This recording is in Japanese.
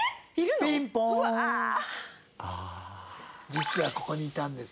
実はここにいたんです。